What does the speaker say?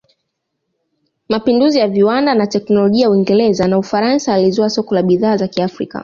Mapinduzi ya Viwanda na Teknolojia Uingereza na Ufaransa yalizua soko la bidhaa za Kiafrika